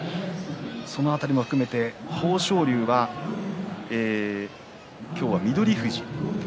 その辺りも含めて豊昇龍は今日は翠富士